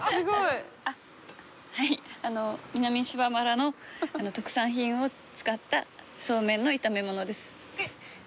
あはいあの南島原の特産品を使ったそうめんの炒め物です。